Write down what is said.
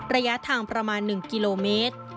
ระยะทางประมาณ๑กิโลเมตร